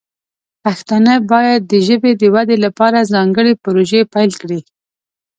پښتانه باید د ژبې د ودې لپاره ځانګړې پروژې پیل کړي.